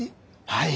はい。